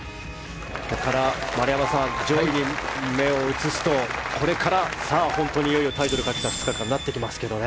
丸山さん、上位に目を移すとこれから本当にいよいよタイトルをかけた２日間になってきますね。